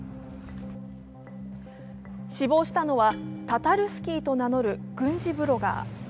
死亡したのは、タタルスキーと名乗る軍事ブロガー。